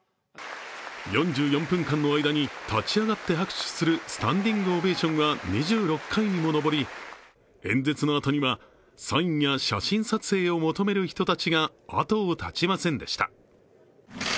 ４４分の間に立ち上がって拍手するスタンディングオベーションは２６回にも上り、演説のあとにはサインや写真撮影を求める人たちが後を絶ちませんでした。